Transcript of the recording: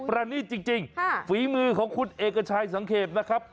รณีตจริงฝีมือของคุณเอกชัยสังเกตนะครับ